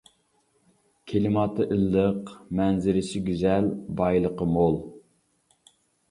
كىلىماتى ئىللىق، مەنزىرىسى گۈزەل، بايلىقى مول.